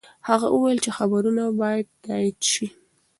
هغه وویل چې خبرونه به تایید شي.